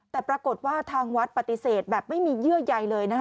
แต่ปรากฏว่าทางวัดปฏิเสธแบบไม่มีเยื่อใยเลยนะคะ